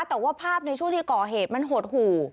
แต่ว่าภาพในช่วงที่ก่อเหตุมันหดหู่